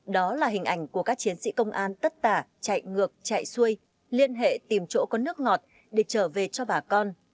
đó là hình ảnh của các chiến sĩ công an tất tả chạy ngược chạy xuôi liên hệ tìm chỗ có nước ngọt để trở về cho bà con